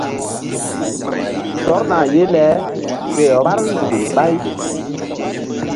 Tɔrna ye le ke vbár nzukri ɓáy.